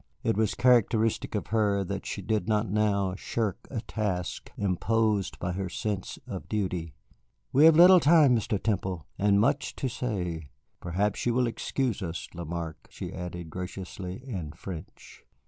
It was characteristic of her that she did not now shirk a task imposed by her sense of duty. "We have little time, Mr. Temple, and much to say. Perhaps you will excuse us, Lamarque," she added graciously, in French.